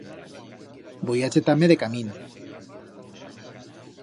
Voi a chetar-me decamín.